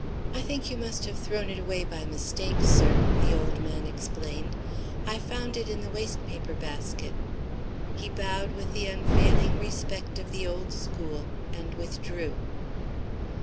"I think you must have thrown it away by mistake, sir," the old man explained; "I found it in the waste paper basket." He bowed with the unfailing respect of the old school, and withdrew.